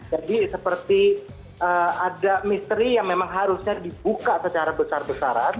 jadi seperti ada misteri yang memang harusnya dibuka secara besar besaran